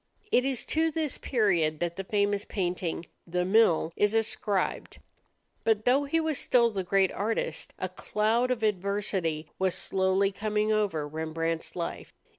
It is to this period that the famous painting, "The Mill," is ascribed. But though he was still the great artist, a cloud of adversity was slowly coming over Rembrandt's life.